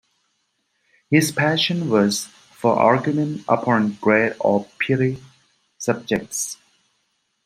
His passion was for argument, upon great or petty subjects.